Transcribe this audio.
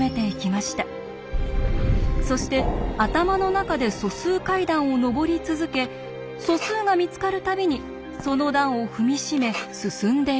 そして頭の中で素数階段を上り続け素数が見つかる度にその段を踏み締め進んでいきました。